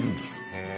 へえ。